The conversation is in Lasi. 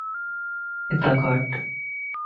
اتا کان ھٽ